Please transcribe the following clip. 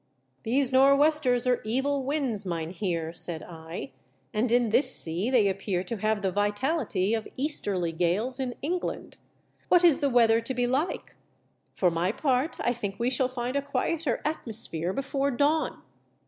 " These nor' westers are evil winds, mynheer," said I, "and in this sea they appear to have the vitality of easterly gales in England. What is the weather to be like ? For my part, I think we shall find a quieter atmosphere before dawn."